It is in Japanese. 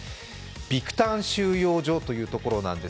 ビクタン収容所というところです。